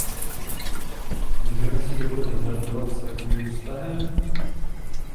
Můžeme si dovolit hazardovat s takovým vztahem?